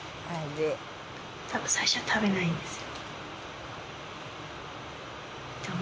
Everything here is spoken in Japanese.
たぶん最初は食べないんですよ。